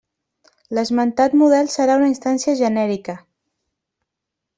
L'esmentat model serà una instància genèrica.